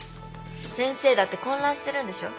先生だって混乱してるんでしょ？